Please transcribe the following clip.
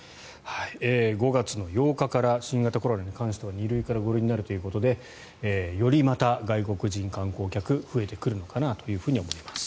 ５月８日から新型コロナに関しては２類から５類になるということでよりまた外国人観光客増えてくるのかなと思います。